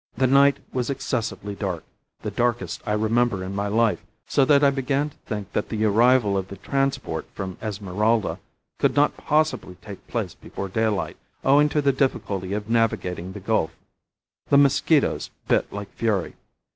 The night was excessively dark the darkest I remember in my life; so that I began to think that the arrival of the transport from Esmeralda could not possibly take place before daylight, owing to the difficulty of navigating the gulf. The mosquitoes bit like fury.